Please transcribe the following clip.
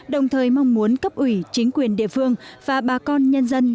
đồng thời mong muốn cấp ủy chính quyền địa phương và bà con nhân dân